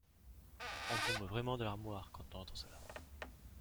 On tombe vraiment de l’armoire quand on entend cela